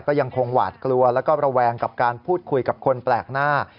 ก็ยังคงหวาดกลัวแล้วก็ระแวงกับการพูดคุยกับคนแปลกหน้า